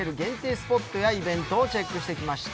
スポットやイベントをチェックしてきました。